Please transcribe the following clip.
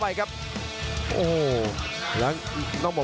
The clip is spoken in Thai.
ขวาแยกออกมาอีกครั้งครับ